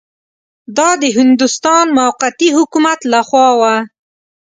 دا د هندوستان موقتي حکومت له خوا وه.